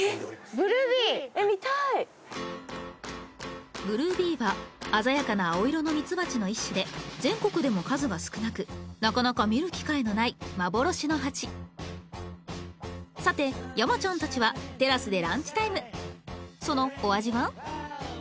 ブルービーは鮮やかな青色のミツバチの一種で全国でも数が少なくなかなか見る機会のない幻の蜂さて山ちゃんたちはテラスでランチタイムそのお味は？